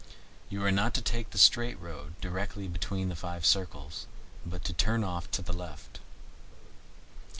You are not to take the straight road directly between the five circles, but turn off to the left.